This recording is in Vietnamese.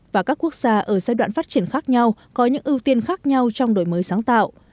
và các quốc gia ở giai đoạn phát triển khác nhau có những ưu tiên khác nhau trong đổi mới sáng tạo